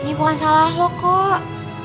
ini bukan salah kok